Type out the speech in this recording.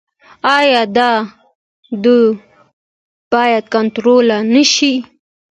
آیا دا دود باید کنټرول نشي؟